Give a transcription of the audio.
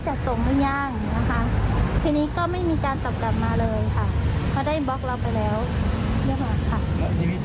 พลังส่งพิมพ์ย่างที่นี้ก็ไม่มีการสอบกลับมาเลยค่ะ